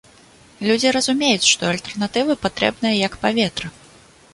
Людзі разумеюць, што альтэрнатыва патрэбная, як паветра!